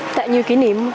tạo nhiều kỷ niệm